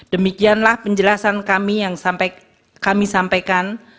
demikianlah penjelasan kami yang kami sampaikan